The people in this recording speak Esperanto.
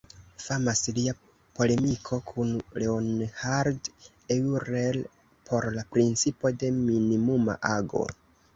Famas lia polemiko kun Leonhard Euler pro la principo de minimuma ago.